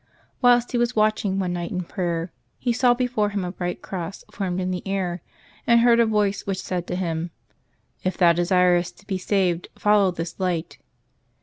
Wliilst he was watching one night in prayer, he saw before him a bright cross formed in the air, and heard a voice which said to him, " If thou desirest to be saved, follow this light."